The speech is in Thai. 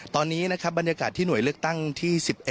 ตอนนี้นะครับบรรยากาศที่หน่วยเลือกตั้งที่๑๑